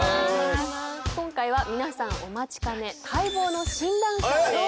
今回は皆さんお待ちかね待望の新ダンサーです。